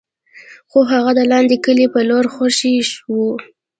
خو هغه د لاندې کلي په لور خوشې و.